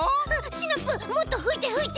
シナプーもっとふいてふいて！